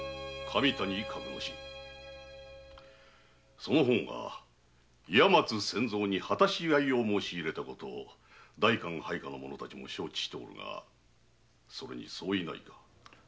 その方が岩松千蔵に果たし合いを申し入れたこと代官配下の者たちも承知しておるがそれに相違ないな。